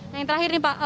yang terakhir nih pak